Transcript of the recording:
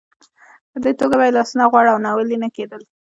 په دې توګه به یې لاسونه غوړ او ناولې نه کېدل.